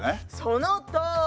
そのとおり！